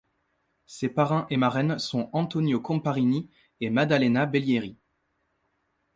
Ses parrain et marraine sont Antonio Comparini et Maddalena Bellieri.